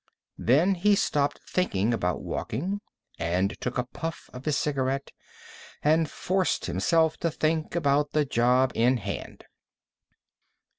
Then he stopped thinking about walking, and took a puff of his cigarette, and forced himself to think about the job in hand.